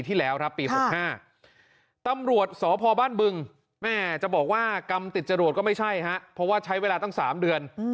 ติดจรวดก็ไม่ใช่ฮะเพราะว่าใช้เวลาตั้ง๓เดือน